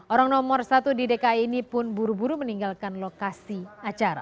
orang nomor satu di dki ini pun buru buru meninggalkan lokasi acara